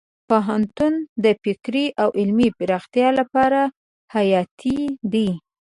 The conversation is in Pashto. پوهنتون د فکري او علمي پراختیا لپاره حیاتي دی.